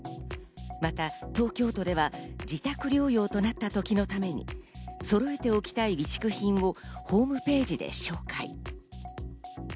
また東京都では自宅療養となった時のためにそろえておきたい備蓄品をホームページで紹介。